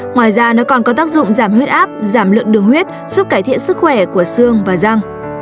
ngoài ra nó còn có tác dụng giảm huyết áp giảm lượng đường huyết giúp cải thiện sức khỏe của xương và răng